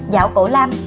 giảo cổ lam